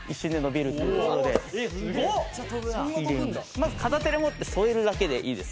まず片手で持って添えるだけでいいです片方は。